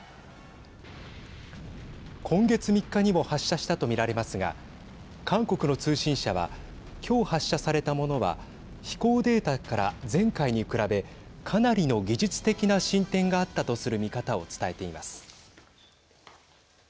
今月３日にも発射したと見られますが韓国の通信社は今日発射されたものは飛行データから前回に比べかなりの技術的な進展があったとする見方を伝えています。